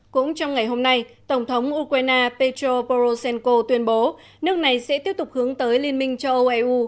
cũng trong ngày hôm nay tổng thống ukraine petro poroshenko tuyên bố nước này sẽ tiếp tục hướng tới liên minh châu âu eu